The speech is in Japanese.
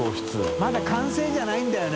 まだ完成じゃないんだよね。